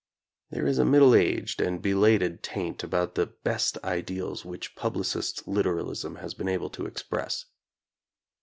There is a middle aged and belated taint about the best ideals which publicist liberalism has been able to express.